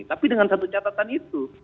tapi dengan satu catatan itu